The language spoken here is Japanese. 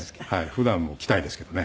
普段も着たいですけどね。